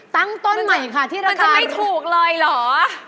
ตั้งต้นใหม่ค่ะที่เราจะไม่ถูกเลยเหรอ